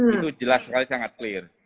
itu jelas sekali sangat clear